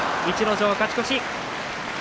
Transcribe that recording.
逸ノ城、勝ち越し